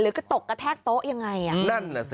หรือก็ตกกะแทกโต๊ะยังไงหรือ